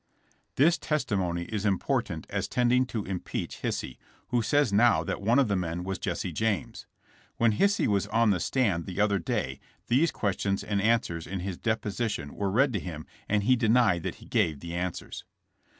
This testimony is important as tending to im peach Hisey, who says now that one of the men was Jesse James. When Hisey was on the stand the other day these questions and answers in his deposi tion were read to him and he denied that he gave the answers.